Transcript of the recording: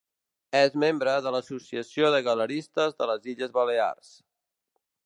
És membre de l'Associació de Galeristes de les Illes Balears.